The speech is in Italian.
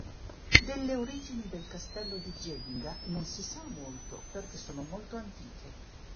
Delle origini del castello di Genga non si sa molto perché sono molto antiche.